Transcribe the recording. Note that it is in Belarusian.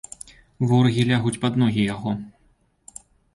Ворагі лягуць пад яго ногі.